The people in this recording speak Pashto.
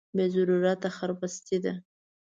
بې ضرورته خرمستي ده.